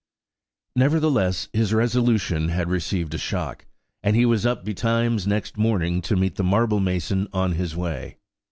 Nevertheless his resolution had received a shock, and he was up betimes next morning to meet the marble mason on his way.